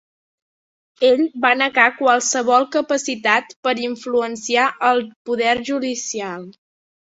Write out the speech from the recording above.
Ell va negar qualsevol capacitat per influenciar el poder judicial.